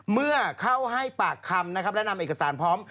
เมื่อเข้าให้ปากคำนะครับและนำเอกสารพร้อม